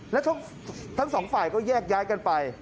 แล้วทั้งสองฝ่ายก็แยกย้ายกันไป